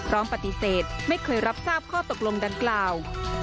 ร้องปฏิเสธไม่เคยรับทราบข้อตกลงดังกล่าว